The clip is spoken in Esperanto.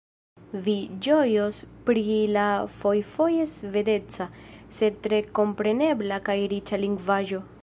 Vi ĝojos pri la fojfoje svedeca, sed tre komprenebla kaj riĉa lingvaĵo.